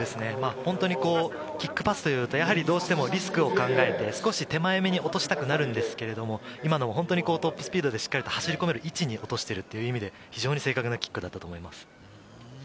ホントにキックパスというと、どうしてもリスクを考えて、少し手前めに落としたくなるんですけれど、今のはトップスピードでしっかり走り込める位置に落としているという意味で、非常に正確なキックだったと思います。